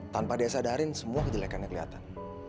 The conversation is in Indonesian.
tanpa dia sadarin semua kejelekannya kelihatan